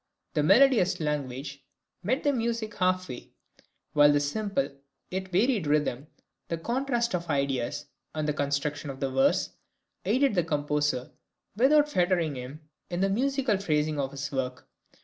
The melodious language met the music half way, while the simple yet varied rhythm, the contrast of ideas, and the construction of the verse, aided the composer, without fettering him, in the musical phrasing of his work.